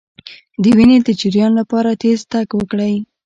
د وینې د جریان لپاره تېز تګ وکړئ